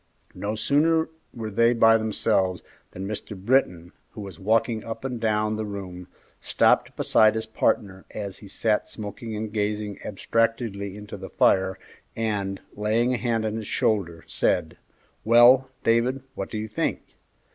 No sooner were they by themselves than Mr. Britton, who was walking up and down the room, stopped beside his partner as he sat smoking and gazing abstractedly into the fire, and, laying a hand on his shoulder, said, "Well, Dave, what do you think?